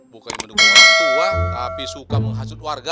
bukan mendukung orang tua tapi suka menghasut warga